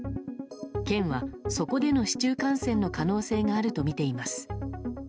県はそこでの市中感染の可能性があるとみています。